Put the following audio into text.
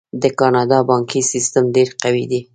د کاناډا بانکي سیستم ډیر قوي دی.